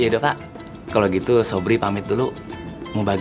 yaudah pak kalau gitu sobri pamit dulu pak